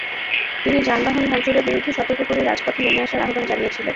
তিনি যানবাহন ভাঙচুরের বিরুদ্ধে সতর্ক করে রাজপথে নেমে আসার আহ্বান জানিয়েছিলেন।